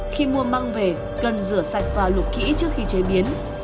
khi mua măng về cần rửa sạch và lục kỹ trước khi chế biến